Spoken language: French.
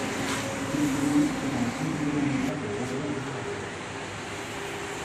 Il fut ministre dans le premier gouvernement de Robert Bourassa.